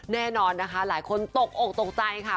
แน่นอนนะคะหลายคนตกอกตกใจค่ะ